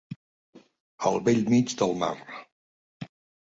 Al bell mig del mar.